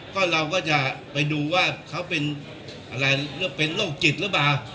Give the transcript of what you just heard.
ก็เราก็จะไปดูว่าเขาเป็นอะไรเป็นโรคจิตหรือเปล่า